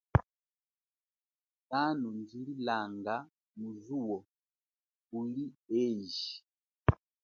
Kanundjililanga mu zuwo kuli eji.